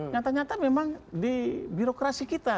nyata nyata memang di birokrasi kita